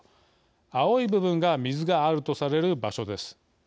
青い部分が水があるとされる場所です。